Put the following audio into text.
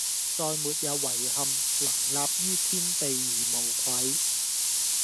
再沒有遺憾，能立於天地而無愧！